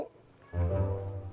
ntar aku jual